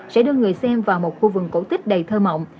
sẽ đưa người xem vào một khu vườn cổ tích đầy thơ mộng